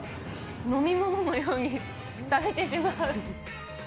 飲み物のように食べてしまう。